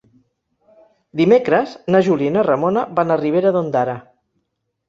Dimecres na Júlia i na Ramona van a Ribera d'Ondara.